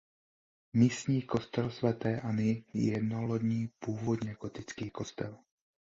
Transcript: Místní kostel svaté Anny je jednolodní původně gotický kostel.